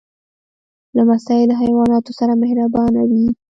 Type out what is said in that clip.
لمسی له حیواناتو سره مهربانه وي.